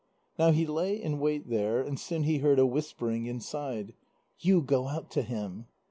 Now he lay in wait there, and soon he heard a whispering inside: "You go out to him."